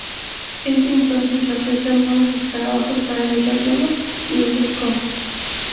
Ella entonces le ofrece algunos escarabajos para el desayuno, y ellos comen.